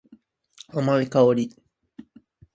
甘い香り。